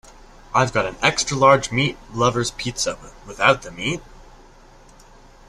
I’ve got an extra large meat lover’s pizza, without the meat?